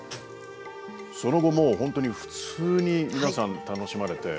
その後もうほんとに普通に皆さん楽しまれて。